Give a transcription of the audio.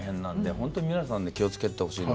本当に皆さん気をつけてほしいの。